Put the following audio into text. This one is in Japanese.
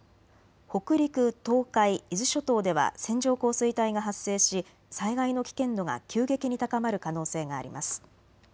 北陸、東海、伊豆諸島では線状降水帯が発生し災害の危険度が急激に高まる可能性があります。